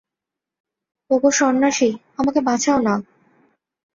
ওগো সন্ন্যাসী, আমাকে বাঁচাও না।